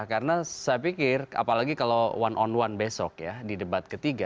karena saya pikir apalagi kalau one on one besok ya di debat ketiga